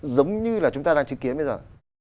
giống như là chúng ta đang chứng kiến bây giờ